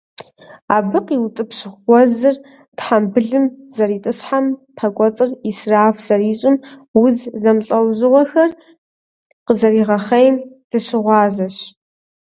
Абы къиутӀыпщ гъуэзыр тхьэмбылым зэритӀысхьэм, пэ кӀуэцӀыр Ӏисраф зэрищӀым, уз зэмылӀэужьыгъуэхэр къызэригъэхъейм дыщыгъуазэщ.